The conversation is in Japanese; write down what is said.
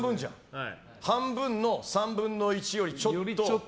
半分の３分の１よりちょっと。